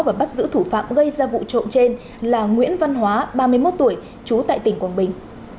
và bắt giữ thủ phạm gây ra vụ trộm trên là nguyễn văn hóa ba mươi một tuổi trú tại tỉnh quảng bình